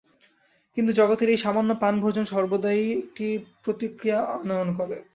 কিন্তু জগতের এই সামান্য পান-ভোজন সর্বদাই একটি প্রতিক্রিয়া আনয়ন করে।